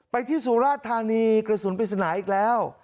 ที่สุราชธานีกระสุนปริศนาอีกแล้ว